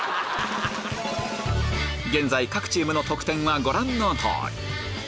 現在各チームの得点はご覧の通り